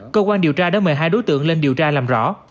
cơ quan điều tra đã mời hai đối tượng lên điều tra làm rõ